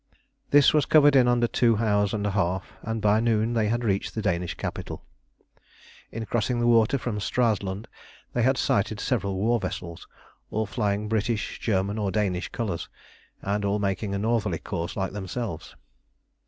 This was covered in under two hours and a half, and by noon they had reached the Danish capital. In crossing the water from Stralsund they had sighted several war vessels, all flying British, German, or Danish colours, and all making a northerly course like themselves.